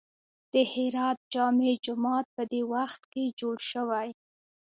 د هرات جامع جومات په دې وخت کې جوړ شوی.